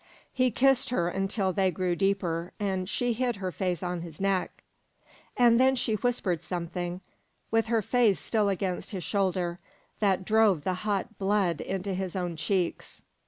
He kissed her until they grew deeper, and she hid her face on his neck. And then she whispered something, with her face still against his shoulder, that drove the hot blood into his own cheeks.